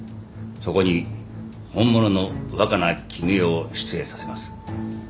そこに本物の若菜絹代を出演させます。